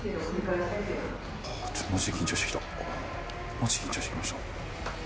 マジで緊張してきました。